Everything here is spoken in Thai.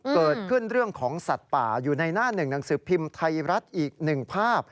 เกิดขึ้นเรื่องของสัตว์ป่าอยู่ในหน้าหนึ่งหนังสือพิมพ์ไทยรัฐอีกหนึ่งภาพ